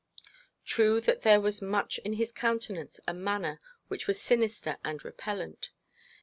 True that there was much in his countenance and manner which was sinister and repellant.